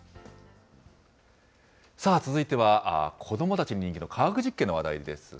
さあ、続いては子どもたちに人気の科学実験の話題ですね。